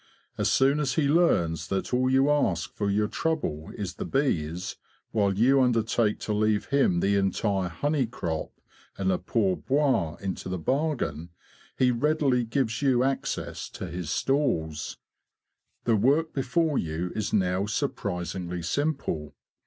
As soon as he learns that all you ask for your trouble is the bees, while you undertake to leave him the entire honey crop and a pour boire into the bargain, he readily gives you access to his stalls. The work before you is now surprisingly simple.